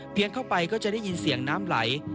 เข้าไปก็จะได้ยินเสียงน้ำไหล